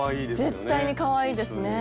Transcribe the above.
絶対にかわいいですね。